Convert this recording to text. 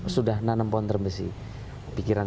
sudah menanam pohon termesi pikiran